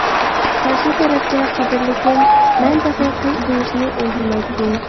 قارشى تەرەپكە ‹قەدىرلىكىم، مەن تېخى قىز› دېيىشنى ئۇنتۇمايتتى.